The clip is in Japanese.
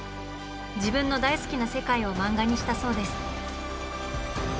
自分の大好きな世界を漫画にしたそうです。